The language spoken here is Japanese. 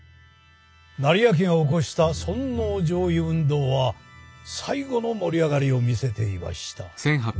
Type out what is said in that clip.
斉昭が興した尊王攘夷運動は最後の盛り上がりを見せていました。